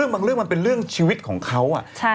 บางเรื่องมันเป็นเรื่องชีวิตของเขา